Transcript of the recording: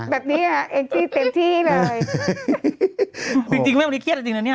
แบบนี้อ่ะแองจี้เต็มที่เลยจริงจริงแม่วันนี้เครียดจริงจริงนะเนี่ย